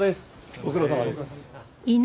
ご苦労さまです。